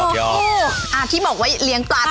อยากเห็นไหม